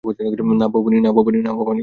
না, ভবানী।